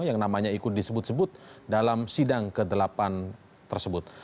yang namanya ikut disebut sebut dalam sidang ke delapan tersebut